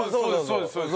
そうですそうです。